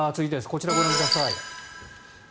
こちらをご覧ください。